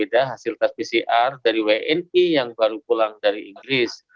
ada hasil tes pcr dari wni yang baru pulang dari inggris